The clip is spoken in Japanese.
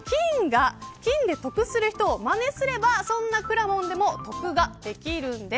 金で得する人をまねすればそんなくらもんでも得ができるんです。